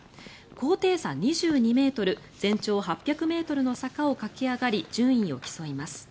高低差２２ｍ全長８００ｍの坂を駆け上がり順位を競います。